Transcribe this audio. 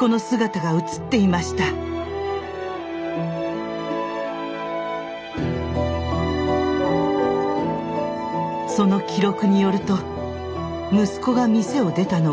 その記録によると息子が店を出たのは朝７時５５分。